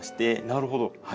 なるほど。